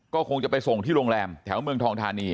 ก็คงจะไปส่งที่โรงแรมแถวเมืองทองทานี